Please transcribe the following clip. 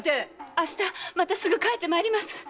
明日またすぐ帰ってまいります！